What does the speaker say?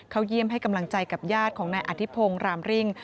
เยี่ยมให้กำลังใจกับญาติของนายอธิพงศ์รามริ่ง